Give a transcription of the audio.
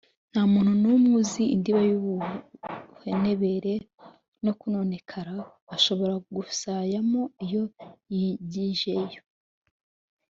nta muntu n’umwe uzi indiba y’ubuhenebere no kononekara ashobora gusaya mo iyo yigijeyo